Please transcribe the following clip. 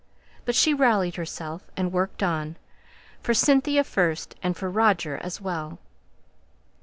But she rallied herself, and worked on for Cynthia first, and for Roger as well.